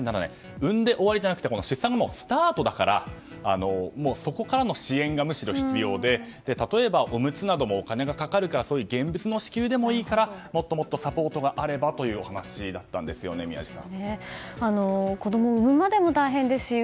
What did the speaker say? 産んで終わりじゃなくて出産はスタートだからそこからの支援がむしろ必要で例えば、おむつなどもお金がかかるから現物の支給でもいいからもっとサポートがあればというお話だったんです、宮司さん。